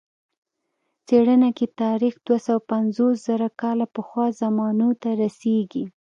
څېړنه کې تاریخ دوه سوه پنځوس زره کاله پخوا زمانو ته رسېږي.